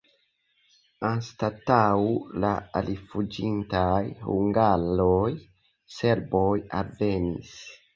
Anstataŭ la rifuĝintaj hungaroj serboj alvenis.